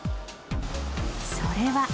それは。